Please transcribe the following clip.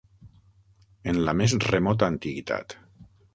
En la més remota antiguitat.